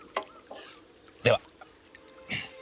では。